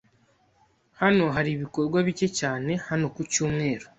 Hano hari ibikorwa bike cyane hano ku cyumweru.